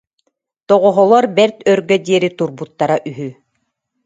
Тоһоҕолор бэрт өргө диэри турбуттара үһү